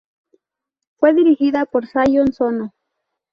Fue dirigida por Sion Sono.